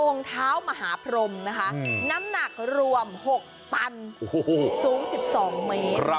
เท้ามหาพรมนะคะน้ำหนักรวม๖ตันสูง๑๒เมตร